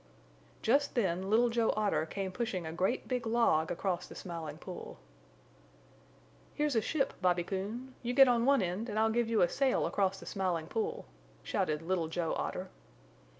Just then Little Joe Otter came pushing a great big log across the Smiling Pool. "Here's a ship, Bobby Coon. You get on one end and I'll give you a sail across the Smiling Pool," shouted Little Joe Otter.